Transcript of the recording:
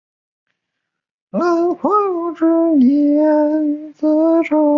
单打项目将采用小组及淘汰混合赛制。